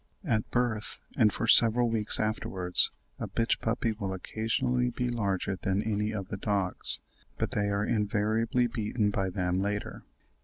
At birth, and for several weeks afterwards, a bitch puppy will occasionally be larger than any of the dogs, but they are invariably beaten by them later."